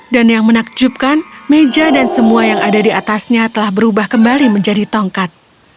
dan yang menakjubkan meja dan semua yang ada di atasnya telah berubah kembali menjadi tongkat